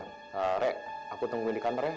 rek aku tungguin di kantor ya